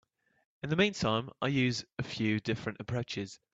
In the meantime, I use a few different approaches.